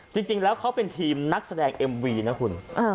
จริงแล้วเขาเป็นทีมนักแสดงเอ็มวีนะคุณ